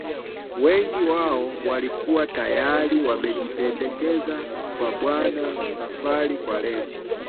Wengi wao walikuwa tayari wamejipendekeza kwa Bwana Safari kwa lengo